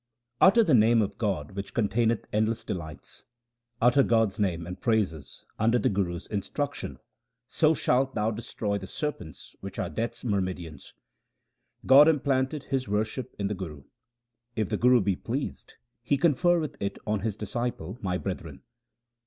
Utter the name of God which containeth endless delights ; Utter God's name and praises under the Guru's instruc tion, so shalt thou destroy the serpents which are Death's myrmidons. God implanted His worship in the Guru ; If the Guru be pleased, he conferreth it on his disciple, my brethren.